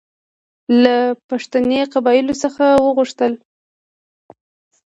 له پښتني قبایلو څخه وغوښتل.